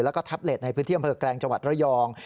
แล้วก็แท็บเล็ตในพื้นเที่ยงเผลอแกรงจัวรรยอง